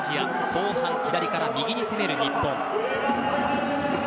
後半、左から右に攻める日本。